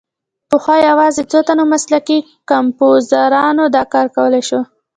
پخوا یوازې څو تنو مسلکي کمپوزرانو دا کار کولای شو.